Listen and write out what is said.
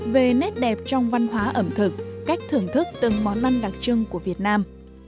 về nét đẹp trong văn hóa ẩm thực cách thưởng thức từng món ăn đặc trưng của việt nam